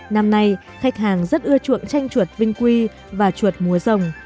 năm nay khách hàng rất ưa chuộng tranh chuột vinh quy và chuột múa rồng